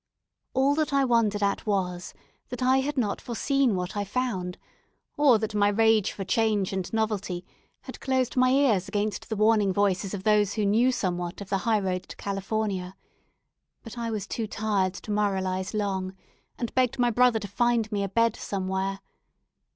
All that I wondered at was, that I had not foreseen what I found, or that my rage for change and novelty had closed my ears against the warning voices of those who knew somewhat of the high road to California; but I was too tired to moralise long, and begged my brother to find me a bed somewhere.